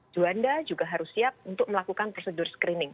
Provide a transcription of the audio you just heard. juanda juga harus siap untuk melakukan prosedur screening